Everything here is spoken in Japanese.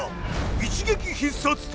一撃必殺隊